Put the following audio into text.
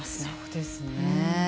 そうですね。